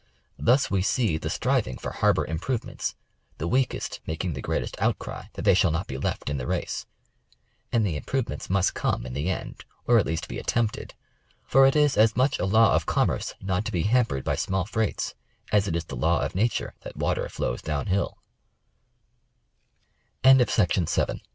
Thus we see the striving for harbor improvements ; the weakest making the greatest outcry that they shall not be left in the race. And the improvements must come in the end, or at least be at tempted, for it is as much a law of commerce not to be hampered by small freights, as it is the law of